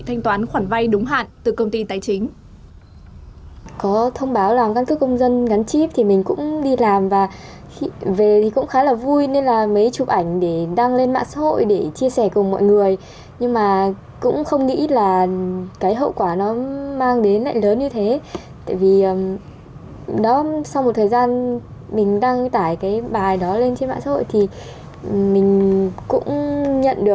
thanh toán khoản vay đúng hạn từ công ty tài chính